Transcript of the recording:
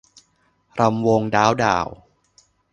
รำวงด๋าวด่าว